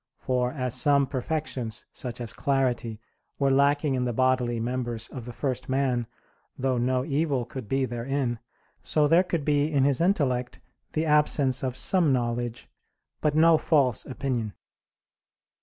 For as some perfections, such as clarity, were lacking in the bodily members of the first man, though no evil could be therein; so there could be in his intellect the absence of some knowledge, but no false opinion.